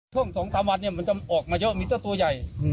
ช่วง๒๓วันเนี่ยมันจะออกมาเยอะมีเจ้าตัวใหญ่